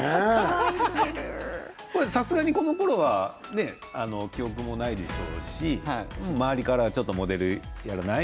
さすがにこのころは記憶もないでしょうし周りからモデルやらない？